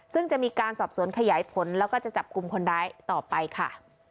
ซึ่งจะมีการสอบสวนขยายผลแล้วก็จะจับกลุ่มคนร้ายต่อไปค่ะ